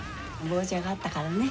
棒茶があったからね。